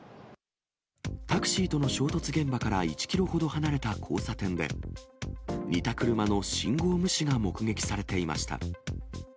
タクシーとの衝突現場から１キロほど離れた交差点で、似た車の信号無視が目撃されていました。